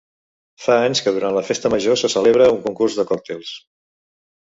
Fa anys que durant la Festa Major se celebra un concurs de còctels.